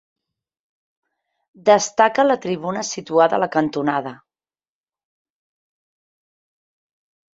Destaca la tribuna situada a la cantonada.